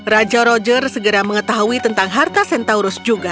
raja roger segera mengetahui tentang harta centaurus juga